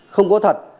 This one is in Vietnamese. không có thật